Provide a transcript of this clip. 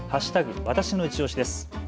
わたしのいちオシです。